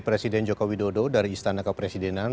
presiden jokowi dodo dari istana kepresidenan